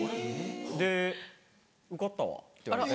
・で「受かったわ」って言われて。